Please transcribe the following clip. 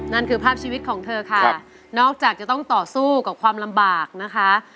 นั่นคือภาพชีวิตของเธอค่ะนอกจากจะต้องต่อสู้กับความลำบากนะคะ